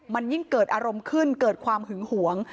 มันยิ่งเกิดอารมณ์ขึ้นเกิดความหึงหวง